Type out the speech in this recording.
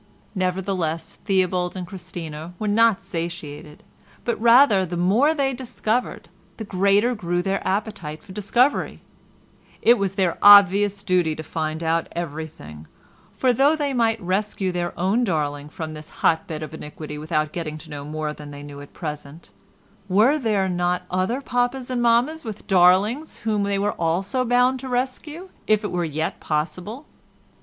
Nevertheless, Theobald and Christina were not satiated, but rather the more they discovered the greater grew their appetite for discovery; it was their obvious duty to find out everything, for though they might rescue their own darling from this hotbed of iniquity without getting to know more than they knew at present, were there not other papas and mammas with darlings whom also they were bound to rescue if it were yet possible?